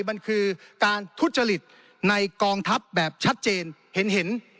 มันคือการทุจริตในกองทัพแบบชัดเจนเห็น